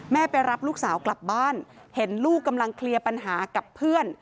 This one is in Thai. ไปรับลูกสาวกลับบ้านเห็นลูกกำลังเคลียร์ปัญหากับเพื่อน